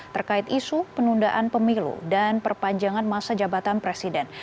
terkait isu penundaan pemilu dan perpanjangan masa jabatan presiden